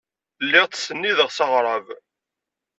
Lliɣ ttsennideɣ s aɣrab.